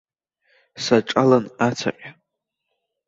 Саҿалан ацаҟьа.